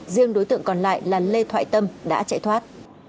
riêng đối tượng còn lại là lê thoại tâm đã chạy thoát